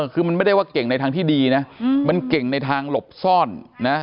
คือมันไม่ได้ว่าเก่งในทางที่ดีนะมันเก่งในทางหลบซ่อนนะ